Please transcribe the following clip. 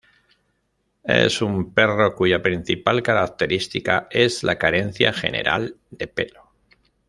Es un perro cuya principal característica es la carencia general de pelo.